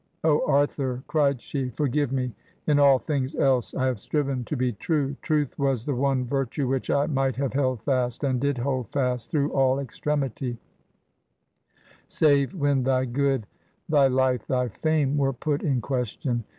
... 'O Arthur,' cried she, 'forgive me! In all things else I have striven to be true! Truth was the one virtue which I might have held fast, and did hold fast, through all extremity; save when thy good — thy life — thy fame — ^were put in question!